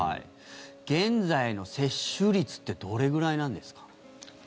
現在の接種率ってどれぐらいなんですか？